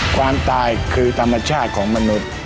ความตายคือธรรมชาติของมนุษย์